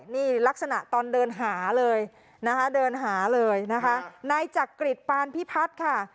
นี่ลักษณะตอนเดินหาเลยนะคะเดินหาเลยนะคะนายจักริจปานพิพัฒน์ค่ะ